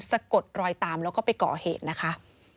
สะกดรอยตามแล้วก็ไปก่อเหตุนะคะ